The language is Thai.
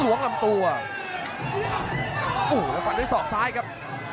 โอ้โหแล้วฝันไว้สอกซ้ายครับ